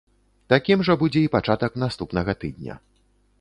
Такім жа будзе і пачатак наступнага тыдня.